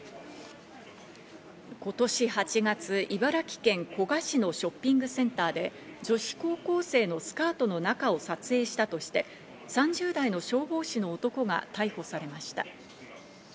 今年８月、茨城県古河市のショッピングセンターで、女子高校生のスカートの中を撮影したとして、３０代の消防士の男が逮捕されました。